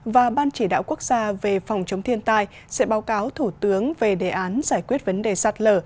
và ban chỉ đạo quốc gia về phòng chống thiên tai sẽ báo cáo thủ tướng về đề án giải quyết vấn đề sạt lở